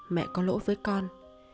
mẹ có lỗi với con